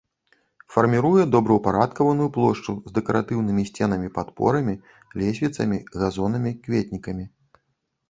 Фарміруе добраўпарадкаваную плошчу з дэкаратыўнымі сценамі-падпорамі, лесвіцамі, газонамі, кветнікамі.